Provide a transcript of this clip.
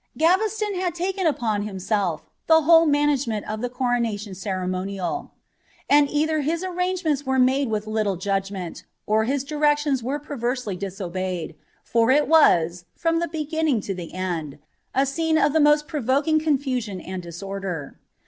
Gaveslon had laken upon hiineelT the whole manageoieni of ibe to ronatioa ceremonial ; and eithei bis arrangements were made witb iiule judgment, or liU directions were perversely disobeyed, for il u a*,fraai the cegiuiiing to the end, a scene of (he most provoking coufumm ui diaonlei.